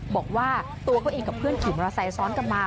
บอกว่าตัวเขาเองกับเพื่อนขี่มอเตอร์ไซค้อนกลับมา